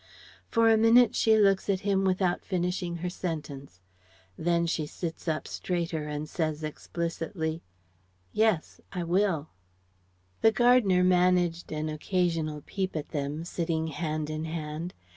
For a minute she looks at him without finishing her sentence. Then she sits up straighter and says explicitly: "Yes, I will." The gardener managed an occasional peep at them, sitting hand in hand.